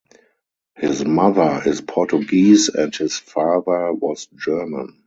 His mother is Portuguese and his father was German.